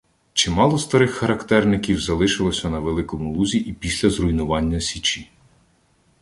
Чимало старих характерників залишилося на Великому Лузі і після зруйнування Січі.